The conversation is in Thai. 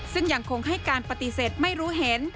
ซึ่งยังคงให้การปฏิเสธไม่รู้เห็น